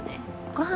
ご飯